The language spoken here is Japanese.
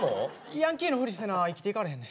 ヤンキーのふりせな生きていかれへんねん。